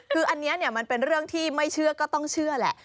คืออันนี้มันเป็นเรื่องที่ไม่เชื่อก็ต้องเชื่อแหละ